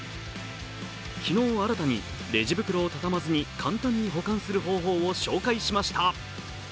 昨日新たにレジ袋を畳まずに簡単に保管する方法を紹介しました。